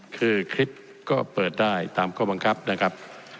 คือคลิปก็เปิดได้ตามข้อบังคับนะครับ